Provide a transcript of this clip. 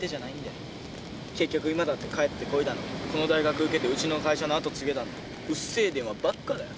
結局今だって帰ってこいだのこの大学受けてウチの会社の後継げだのうっせえ電話ばっかだよ。